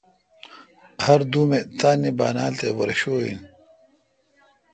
ہردوم اے،° تانی بانال تے ورشو این۔